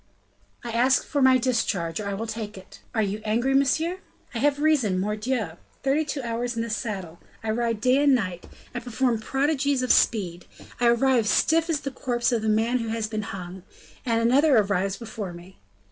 "I ask for my discharge, or I will take it." "You are angry, monsieur?" "I have reason, mordioux! Thirty two hours in the saddle, I ride day and night, I perform prodigies of speed, I arrive stiff as the corpse of a man who has been hung and another arrives before me!